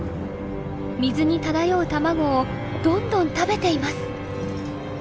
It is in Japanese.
水に漂う卵をどんどん食べています。